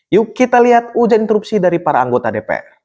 yuk kita lihat ujian interupsi dari para anggota dpr